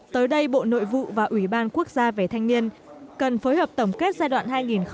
tới đây bộ nội vụ và ủy ban quốc gia về thanh niên cần phối hợp tổng kết giai đoạn hai nghìn một mươi sáu hai nghìn hai mươi